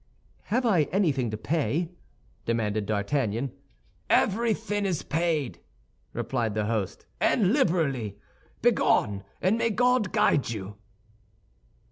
"Have I anything to pay?" demanded D'Artagnan. "Everything is paid," replied the host, "and liberally. Begone, and may God guide you!"